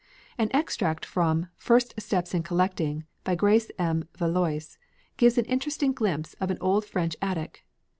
An extract from "First Steps in Collecting," by Grace M. Vallois, gives an interesting glimpse of an old French attic.